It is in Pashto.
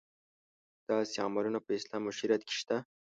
داسې عملونه په اسلام او شریعت کې شته.